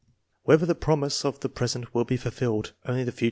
Whether the promise of the pres ent will be fulfilled, only the future can tell.